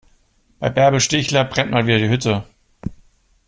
Bei Bärbel Stichler brennt mal wieder die Hütte.